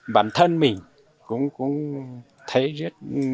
bản thân mình cũng thấy rất